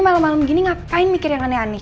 malem malem segini ngapain mikir yang aneh aneh